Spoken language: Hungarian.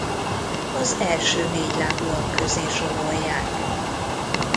Az első négylábúak közé sorolják.